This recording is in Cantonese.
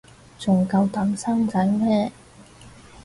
仲夠膽生仔咩